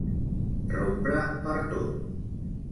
Rompre per tot.